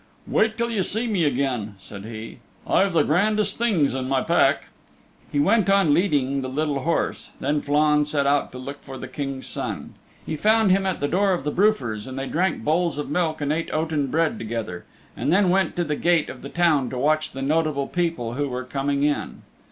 "Wait till you see me again," said he. "I've the grandest things in my pack." He went on leading the little horse. Then Flann set out to look for the King's Son. He found him at the door of the Brufir's, and they drank bowls of milk and ate oaten bread together, and then went to the gate of the town to watch the notable people who were coming in.